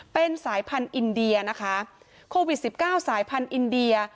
เป็นสายพันธุ์อินเดียนะคะโควิด๑๙สายพันธุ์อินเดีย